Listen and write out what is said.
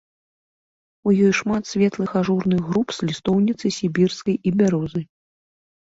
У ёй шмат светлых ажурных груп з лістоўніцы сібірскай і бярозы.